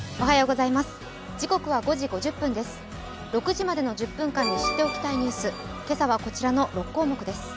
６時までの１０分間に知っておきたいニュース、今朝はこちらの６項目です。